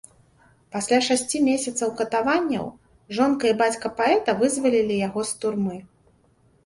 Пасля шасці месяцаў катаванняў жонка і бацька паэта вызвалілі яго з турмы.